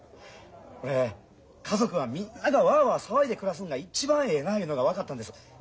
俺家族はみんながわーわー騒いで暮らすんが一番ええないうのが分かったんです。